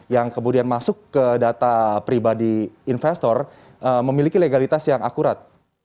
yang kemudian masuk ke data pribadi investor memiliki legalitas yang akurat